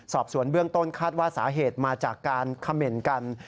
สอบสวนเบื้องต้นคาดว่าสาเหตุมาจากการเขม่นกัน